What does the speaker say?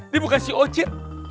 dia bukan si ojj